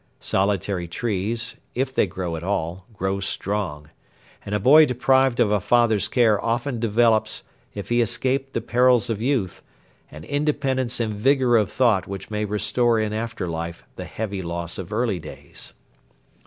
Solitary trees, if they grow at all, grow strong; and a boy deprived of a father's care often develops, if he escape the perils of youth, an independence and vigour of thought which may restore in after life the heavy loss of early days.